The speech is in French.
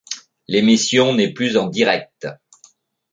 L'émission n'est plus en direct.